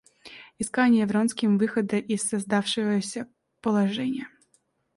Искание Вронским выхода из создавшегося положения.